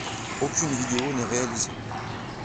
Aucune vidéo n'est réalisée.